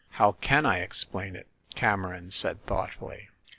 "How can I explain it ?" Cameron said thoughtfully.